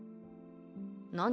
何？